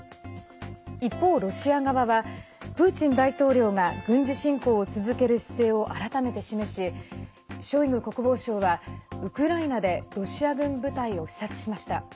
一方、ロシア側はプーチン大統領が、軍事侵攻を続ける姿勢を改めて示しショイグ国防相は、ウクライナでロシア軍部隊を視察しました。